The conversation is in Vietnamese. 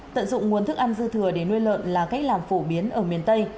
tận dụng nguồn thức ăn dư thừa để nuôi lợn là cách làm phổ biến ở miền tây